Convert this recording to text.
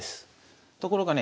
ところがね